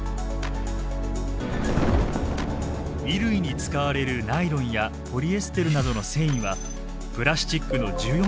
衣類に使われるナイロンやポリエステルなどの繊維はプラスチックの１４％を占めます。